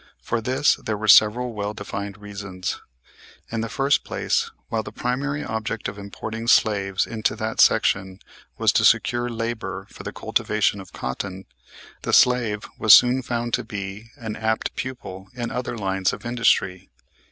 For this there were several well defined reasons. In the first place, while the primary object of importing slaves into that section was to secure labor for the cultivation of cotton, the slave was soon found to be an apt pupil in other lines of industry.